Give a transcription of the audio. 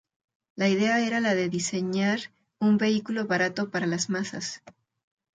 La idea era la de diseñar un vehículo barato para las masas.